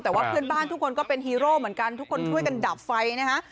แต่ว่าเพื่อนบ้านทุกคนก็เป็นฮีโร่เหมือนกันทุกคนช่วยกันดับไฟนะฮะ